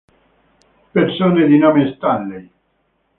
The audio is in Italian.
Persone di nome Stanley